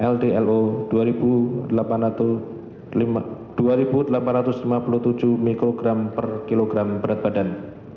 ldlo dua delapan ratus lima puluh tujuh mikrogram per kilogram berat badan